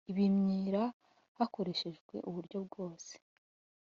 ibimyira hakoreshejwe uburyo bwose